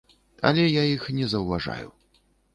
Але я іх не заўважаю.